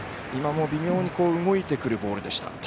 今も、微妙に動いてくるボールでした。